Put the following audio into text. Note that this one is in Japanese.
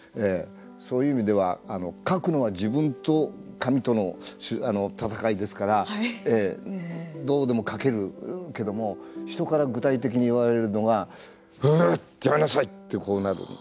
そういう意味では描くのは自分と紙との戦いですからどうでも描けるけども人から具体的に言われるのがううっやめなさいってなる。